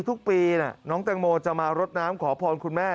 ทุกปีน้องแตงโมจะมารดน้ำขอพรคุณแม่